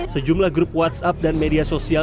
sejumlah grup whatsapp dan media sosial